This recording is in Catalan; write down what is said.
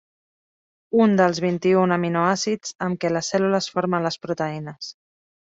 Un dels vint-i-un aminoàcids amb què les cèl·lules formen les proteïnes.